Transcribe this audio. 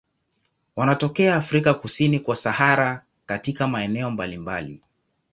Wanatokea Afrika kusini kwa Sahara katika maeneo mbalimbali.